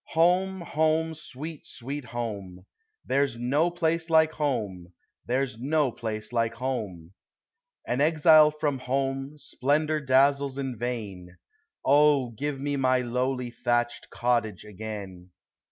Home, Home, sweet, sweet Home! There 's no place like Home! there 's no place like Home ! An exile from home, splendor dazzles in vain; O, give me my lowly thatched cottage again!